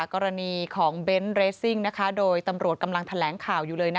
กรณีของเบนท์เรสซิ่งโดยตำรวจกำลังแถลงข่าวอยู่เลย